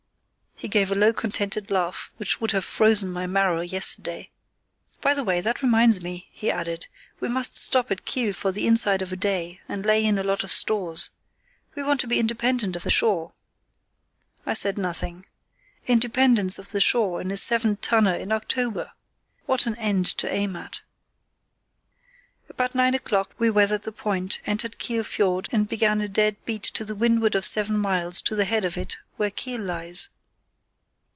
He gave a low, contented laugh, which would have frozen my marrow yesterday. "By the way, that reminds me," he added; "we must stop at Kiel for the inside of a day and lay in a lot of stores. We want to be independent of the shore." I said nothing. Independence of the shore in a seven tonner in October! What an end to aim at! About nine o'clock we weathered the point, entered Kiel Fiord, and began a dead beat to windward of seven miles to the head of it where Kiel lies.